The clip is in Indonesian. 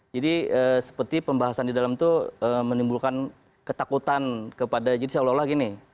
jadi seperti pembahasan di dalam itu menimbulkan ketakutan kepada jididis allah allah gini